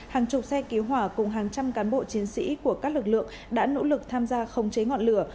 hàng chục xe cứu hỏa cùng hàng trăm cán bộ chiến sĩ của các lực lượng đã nỗ lực tham gia khống chế ngọn lửa